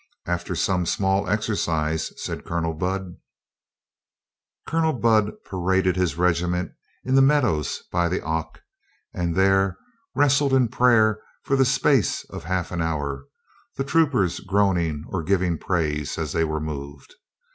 "After some small exercise," said Colonel Budd. Colonel Budd paraded his regiment in the mead ows by the Ock and there wrestled in prayer for the space of half an hour, the troopers groaning or giv ing praise as they were moved.